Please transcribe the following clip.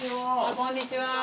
こんにちは。